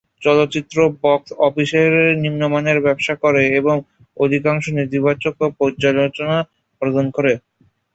চলচ্চিত্রটি বক্স অফিসে নিম্নমানের ব্যবসা করে এবং অধিকাংশ নেতিবাচক পর্যালোচনা অর্জন করে।